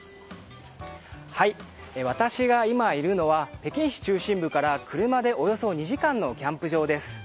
私が今いるのは北京市中心部から車でおよそ２時間のキャンプ場です。